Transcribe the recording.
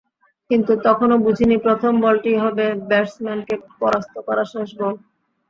কিন্তু তখনো বুঝিনি প্রথম বলটিই হবে ব্যাটসম্যানকে পরাস্ত করা শেষ বল।